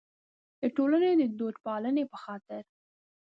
د ټولنې د دودپالنې په خاطر.